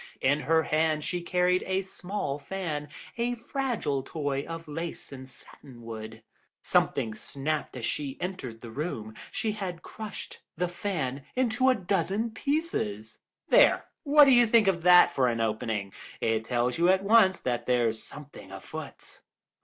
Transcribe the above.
In her hand she carried a small fan, a fragile toy of lace and satinwood. Something snapped as she entered the room; she had crushed the fan into a dozen pieces.' "There, what do you think of that for an opening? It tells you at once that there's something afoot."